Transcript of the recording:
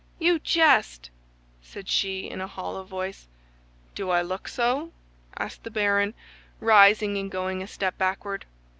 "You jest!" said she, in a hollow voice. "Do I look so?" asked the baron, rising and going a step backward.